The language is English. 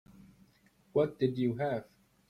What did you have?